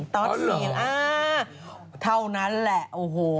ตอธิ์เหรออ้าวเท่านั้นแหละโอ้โฮ